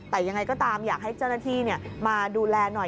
แต่ยังไงก็ตามอยากให้เจ้าหน้าที่มาดูแลหน่อย